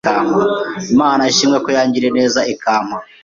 Imana ishimwe ko yangiriye neza ikampa